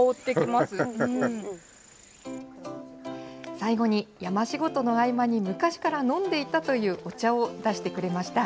最後に、山仕事の合間に昔から飲んでいたというお茶を出してくれました。